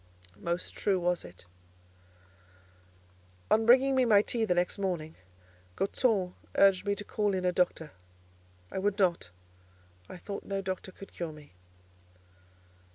Most true was it. On bringing me my tea next morning Goton urged me to call in a doctor. I would not: I thought no doctor could cure me.